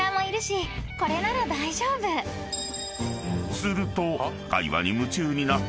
［すると］